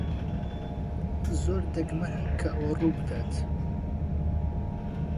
زۆر دەگمەنە کە ئەوە ڕوو بدات.